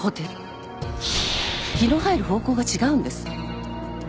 日の入る方向が違うんです。